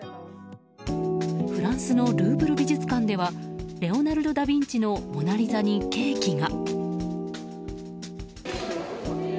フランスのルーブル美術館ではレオナルド・ダ・ヴィンチの「モナリザ」にケーキが。